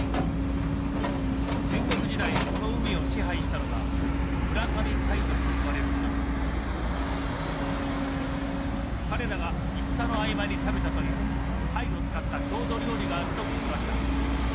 戦国時代この海を支配したのが村上海賊と呼ばれる人々彼らが戦の合間に食べたというタイを使った郷土料理があると聞きました